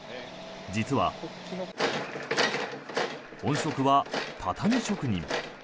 実は、本職は畳職人。